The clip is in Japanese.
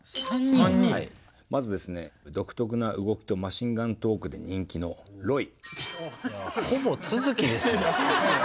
まずですね独特な動きとマシンガントークで人気のロイ。